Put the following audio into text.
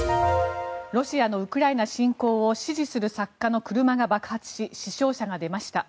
ロシアのウクライナ侵攻を支持する作家の車が爆発し死傷者が出ました。